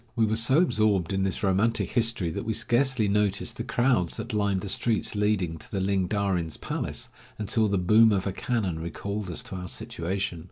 We were so absorbed in this romantic history that we scarcely noticed the crowds that lined the streets leading to the Ling Darin's palace, until the boom of a cannon recalled us to our situation.